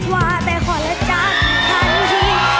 ว่าแต่ขอแล้วจากให้ทันที